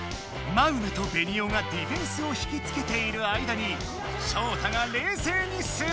マウナとベニオがディフェンスを引きつけている間にショウタがれいせいにスロー！